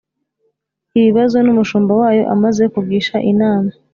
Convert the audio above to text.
ibibazo n Umushumba wayo amaze kugisha inama